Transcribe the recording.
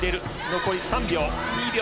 残り３秒、２秒。